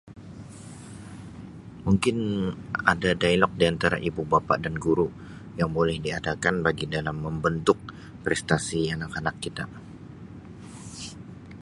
Mungkin ada dialog di antara ibubapa dan guru yang boleh diadakan bagi dalam membentuk prestasi anak-anak kita.